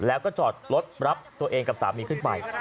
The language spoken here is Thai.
แล้วก็จอดรถรับตัวเองกับสามีขึ้นไป